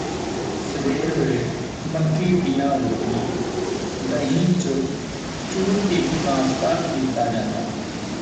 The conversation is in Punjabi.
ਸਵੇਰ ਵੇਲੇ ਮੱਕੀ ਦੀਆਂ ਰੋਟੀਆਂ ਦਹੀਂ ਚ ਚੂਰ ਕੇ ਨਾਸ਼ਤਾ ਕੀਤਾ ਜਾਂਦਾ